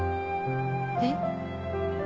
えっ？